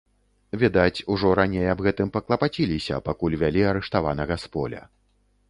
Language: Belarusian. Відаць, ужо раней аб гэтым паклапаціліся, пакуль вялі арыштаванага з поля.